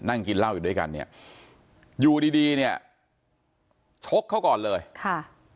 นั่งกินเหล้าอยู่ด้วยกันเนี่ยอยู่ดีดีเนี่ยชกเขาก่อนเลยค่ะ